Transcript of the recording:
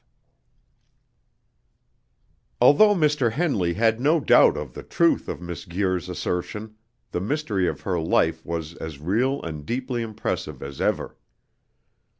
5 Although Mr. Henley had no doubt of the truth of Miss Guir's assertion, the mystery of her life was as real and deeply impressive as ever.